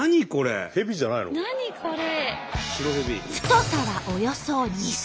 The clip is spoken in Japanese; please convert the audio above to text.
太さはおよそ２ｃｍ。